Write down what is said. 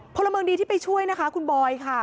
บ๊ายวัดเล่นในนั้นค่ะ